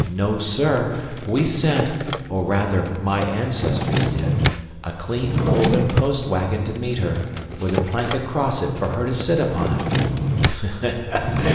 No, sir, we sent or rather my ancestors did a clean, open post wagon to meet her, with a plank across it for her to sit upon!"